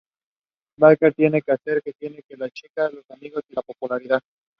Rae and actor Jussie Smollett subsequently came on board as executive producers.